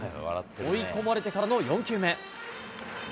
追い込まれてからの４球目。